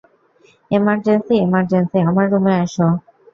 Emergency, emergency, আমার রুমে আসো।